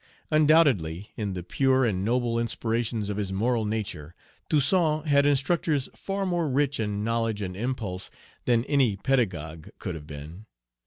Undoubtedly, in the pure and noble inspirations of his moral nature, Toussaint had instructors far more rich in knowledge and impulse than any pedagogue could have been.